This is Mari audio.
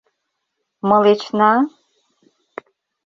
— Мылечна?!